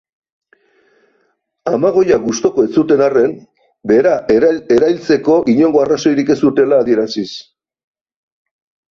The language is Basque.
Amagoia gustuko ez zuten arren, bera erailtzeko inongo arrazoirik ez zutela adieraziz.